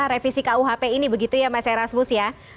revisi kuhp ini begitu ya mas erasmus ya